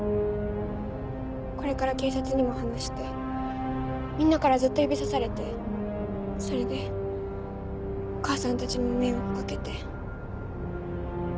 これから警察にも話してみんなからずっと指さされてそれでお母さんたちにも迷惑かけて。